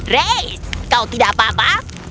reis kau tidak apa apa